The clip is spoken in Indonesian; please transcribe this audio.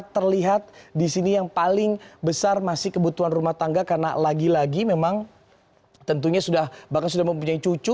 terlihat di sini yang paling besar masih kebutuhan rumah tangga karena lagi lagi memang tentunya bahkan sudah mempunyai cucu